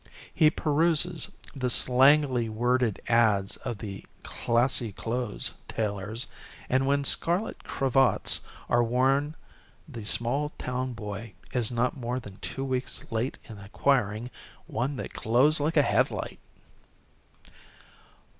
He peruses the slangily worded ads of the "classy clothes" tailors, and when scarlet cravats are worn the small town boy is not more than two weeks late in acquiring one that glows like a headlight.